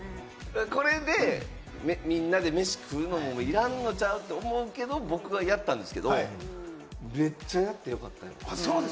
これでみんなで飯食うのいらんのちゃう？って思うけど、僕はやったんですけれども、めっちゃやってよかった。